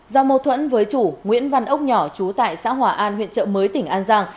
do mâu thuẫn với chủ nguyễn văn ốc nhỏ chú tại xã hòa an huyện trợ mới tỉnh an giang